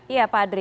iya pak adri